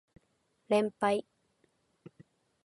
連敗